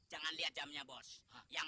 jangan banyak lagu sekarang